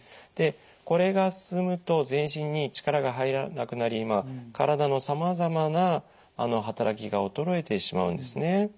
でこれが進むと全身に力が入らなくなり体のさまざまな働きが衰えてしまうんですね。